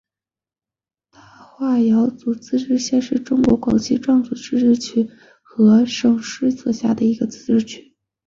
大化瑶族自治县是中国广西壮族自治区河池市所辖的一个自治县。